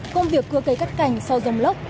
công việc cưa cây cắt cảnh sau dòng lốc